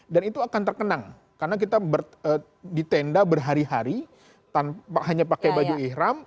dan itu akan terkenang karena kita di tenda berhari hari tanpa hanya pakai baju ihram